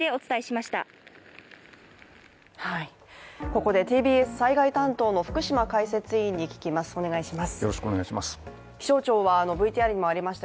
ここでＴＢＳ災害担当の福島解説委員に聞きます。